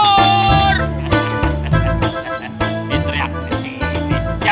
siap yang mau beli di sini